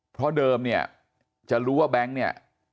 เพราะเดิมเนี่ยจะรู้ว่าแบงค์เนี่ย